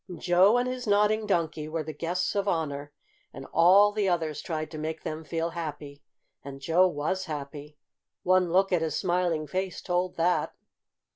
Joe and his Nodding Donkey were the guests of honor, and all the others tried to make them feel happy. And Joe was happy! One look at his smiling face told that.